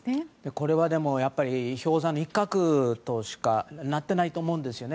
これは、でも氷山の一角としかなってないと思うんですよね。